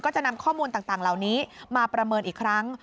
จะนำข้อมูลต่างเหล่านี้มาประเมินอีกครั้ง